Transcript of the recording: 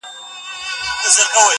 • لمره نن تم سه! -